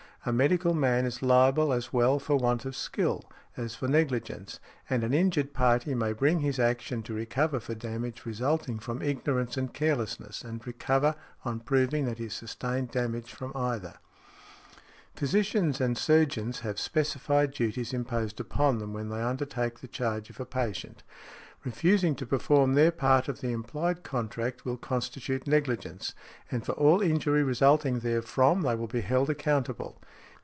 A medical man is liable as well for want of skill, as for negligence, and an injured party may bring his action to recover for damage resulting from ignorance and carelessness, and recover on proving that he sustained damage from either . Physicians and surgeons have specified duties imposed upon them when they undertake the charge of a patient. Refusing to perform their part of the implied contract will constitute negligence, and for all injury resulting therefrom they will be held accountable.